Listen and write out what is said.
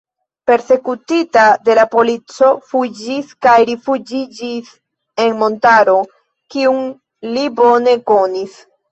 Persekutita de la polico fuĝis kaj rifuĝiĝis en montaro kiun li bone konis.